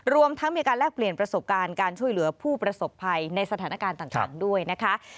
รวมทั้งมีการแลกเปลี่ยนประสบการณ์การช่วยเหลือผู้ประสบภัยในสถานการณ์ต่างด้วยนะคะ